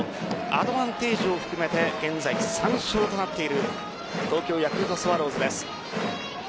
アドバンテージを含めて現在３勝となっている東京ヤクルトスワローズです。